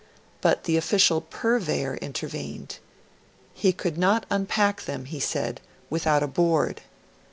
But the official 'Purveyor' intervened; 'he could not unpack them,' he said, 'with out a Board.'